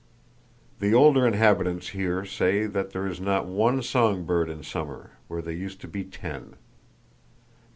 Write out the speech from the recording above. The older inhabitants here say that there is not one song bird in summer where there used to be ten.